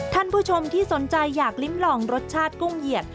ท่านผู้ชมที่สนใจอยากลิ้มลองรสชาติกุ้งเหยียด